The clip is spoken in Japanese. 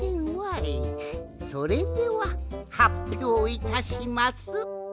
それでははっぴょういたします。